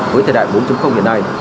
với thời đại bốn hiện nay